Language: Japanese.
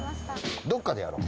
どこかでやろう。